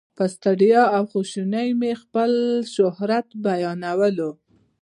په ستړیا او خواشینۍ مې خپل شهرت بیانول.